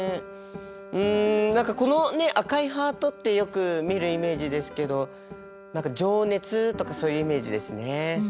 うん何かこの赤いハートってよく見るイメージですけど何か情熱とかそういうイメージですね。